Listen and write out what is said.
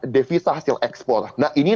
devisa hasil ekspor nah ini